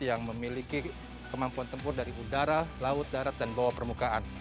yang memiliki kemampuan tempur dari udara laut darat dan bawah permukaan